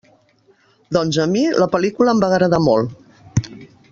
Doncs a mi, la pel·lícula em va agradar molt.